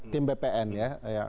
tim bpn ya